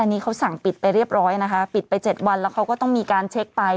อันนี้เขาสั่งปิดไปเรียบร้อยนะคะปิดไป๗วันแล้วเขาก็ต้องมีการเช็คไป